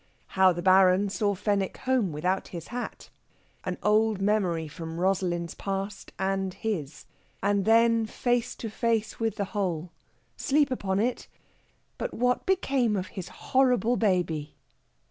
HOW THE BARON SAW FENWICK HOME, WITHOUT HIS HAT. AN OLD MEMORY FROM ROSALIND'S PAST AND HIS. AND THEN FACE TO FACE WITH THE WHOLE. SLEEP UPON IT! BUT WHAT BECAME OF HIS HORRIBLE BABY?